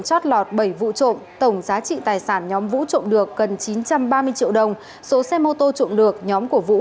chót lọt bảy vụ trộm tổng giá trị tài sản nhóm vũ trộm được gần chín trăm ba mươi triệu đồng số xe mô tô trộm được nhóm của vũ